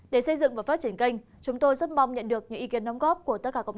để xây dựng và phát triển kênh chúng tôi rất mong nhận được những ý kiến đóng góp của tất cả cộng đồng